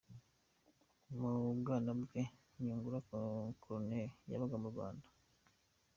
Mu bwana bwe, Nyungura Corneille yabaga mu Rwanda.